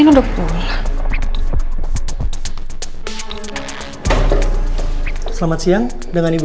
kayak apa saja bu yang baik